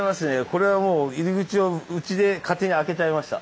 これはもう入り口をうちで勝手に開けちゃいました。